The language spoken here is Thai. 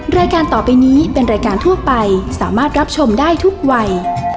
รายการต่อไปนี้เป็นรายการทั่วไปสามารถรับชมได้ทุกวัย